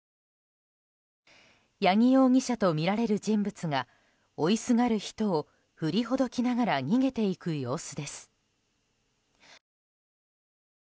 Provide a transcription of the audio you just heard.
八木容疑者とみられる人物が追いすがる人を振りほどきながら逃げていく様子です。